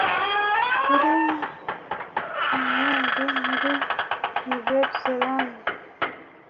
kuri tunel muri NouvelleZélande